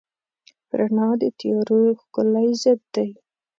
رڼا د تیارو ښکلی ضد دی.